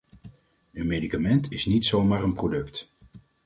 Een medicament is niet zomaar een product.